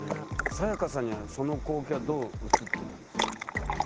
サヤカさんにはその光景はどう映ってたんですか？